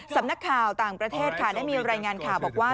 สำนักข่าวต่างประเทศค่ะได้มีรายงานข่าวบอกว่า